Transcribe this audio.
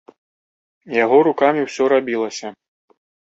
Яго рукамі ўсё рабілася.